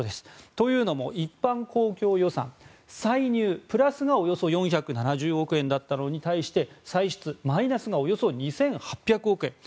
というのも一般公共予算歳入、プラスがおよそ４７０億円だったのに対して歳出、マイナスがおよそ２８００億円。